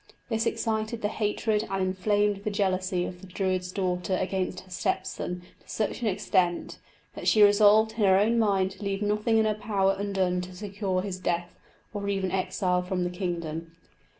This excited the hatred and inflamed the jealousy of the Druid's daughter against her step son to such an extent, that she resolved in her own mind to leave nothing in her power undone to secure his death, or even exile from the kingdom.